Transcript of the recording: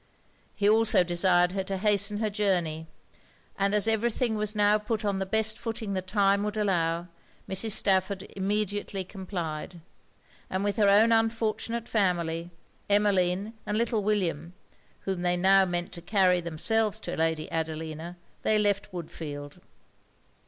He also desired her to hasten her journey: and as every thing was now put on the best footing the time would allow, Mrs. Stafford immediately complied; and with her own unfortunate family, Emmeline, and little William, (whom they now meant to carry themselves to Lady Adelina) they left Woodfield.